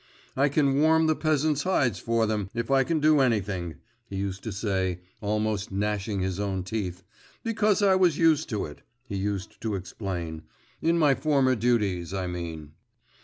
'I can warm the peasant's hides for them, if I can do anything,' he used to say, almost gnashing his own teeth, 'because I was used to it,' he used to explain, 'in my former duties, I mean.